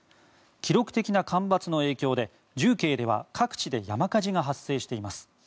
記録的な干ばつの影響で重慶では各地で山火事が発生しています。